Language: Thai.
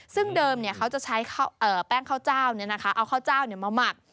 ซึ่งเดิมเขาจะใช้แป้งข้าวเจ้าเอาข้าวเจ้ามาหมัก